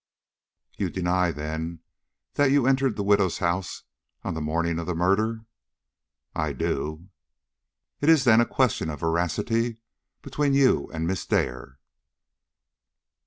"You deny, then, that you entered the widow's house on the morning of the murder?" "I do." "It is, then, a question of veracity between you and Miss Dare?"